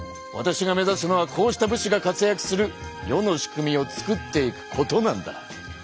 わたしが目ざすのはこうした武士が活やくする世の仕組みをつくっていくことなんだ。